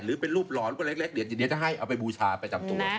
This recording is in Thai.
หรือเป็นรูปหล่อรูปเล็กเดี๋ยวจะให้เอาไปบูชาไปจับโทษ